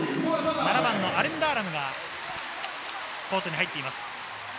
７番のアレン・ダーラムがコートに入っています。